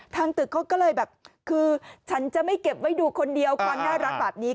ตึกเขาก็เลยแบบคือฉันจะไม่เก็บไว้ดูคนเดียวความน่ารักแบบนี้